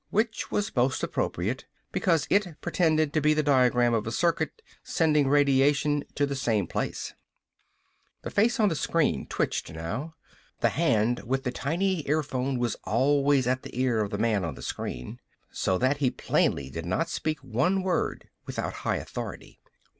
Which was most appropriate, because it pretended to be the diagram of a circuit sending radiation to the same place. The face on the screen twitched, now. The hand with the tiny earphone was always at the ear of the man on the screen, so that he plainly did not speak one word without high authority.